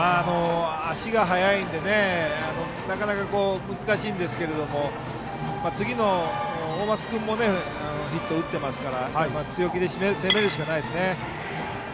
足が速いのでなかなか難しいんですけども次の大舛君もヒットを打っているので強気で攻めるしかないですね。